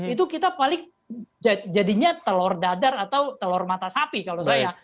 itu kita paling jadinya telur dadar atau telur mata sapi kalau saya